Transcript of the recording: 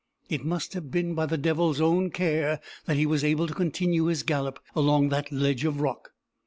It must have been by the devil's own care that he was able to continue his gallop along that ledge of rock.